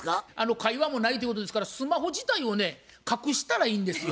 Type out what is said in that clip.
会話もないっていうことですからスマホ自体をね隠したらいいんですよ。